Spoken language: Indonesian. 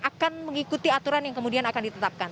akan mengikuti aturan yang kemudian akan ditetapkan